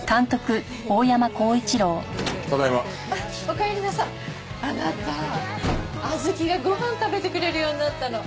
あなたあずきがご飯食べてくれるようになったの。